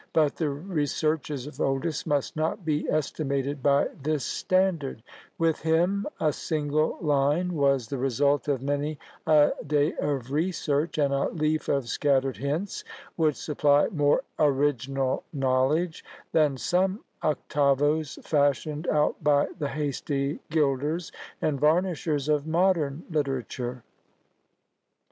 But the researches of Oldys must not be estimated by this standard; with him a single line was the result of many a day of research, and a leaf of scattered hints would supply more original knowledge than some octavos fashioned out by the hasty gilders and varnishers of modern literature.